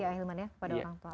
ahilman ya kepada orang tua